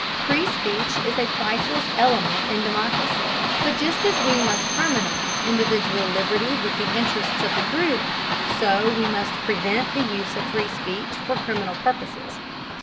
Free speech is a priceless element in democracy, but just as we must harmonize individual liberty with the interests of the group, so we must prevent the use of free speech for criminal purposes.